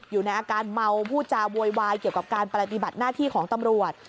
อยู่ในอาการเมาพูดจาโวยวายเกี่ยวกับการปฏิบัติหน้าที่ของตำรวจ